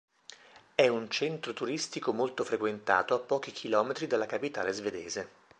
È un centro turistico molto frequentato a pochi chilometri dalla capitale svedese.